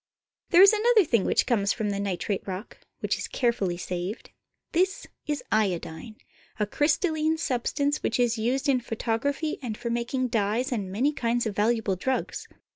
There is another thing which comes from the nitrate rock, which is carefully saved. This is iodine, a crystal line substance which is used in photography and for mak ing dyes and many kinds of valuable drugs.